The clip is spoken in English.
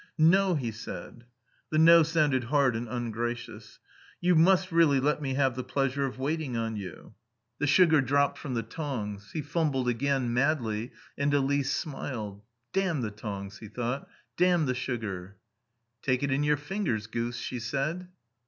"No," he said. The "No" sounded hard and ungracious. "You must really let me have the pleasure of waiting on you." The sugar dropped from the tongs; he fumbled again, madly, and Elise smiled. "Damn the tongs," he thought; "damn the sugar." "Take it in your fingers, goose," she said.